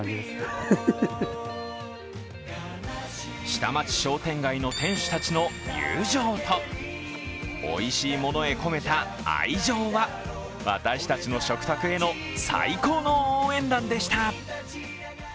下町商店街の店主たちの友情とおいしいものへ込めた愛情は、私たちの食卓への最高の応援団でした。